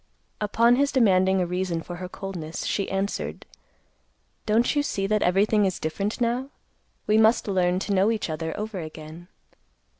Upon his demanding a reason for her coldness, she answered, "Don't you see that everything is different now? We must learn to know each other over again."